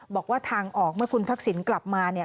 บอกว่าทางออกเมื่อคุณทักษิณกลับมาเนี่ย